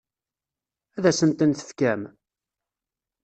Ad asent-ten-tefkem?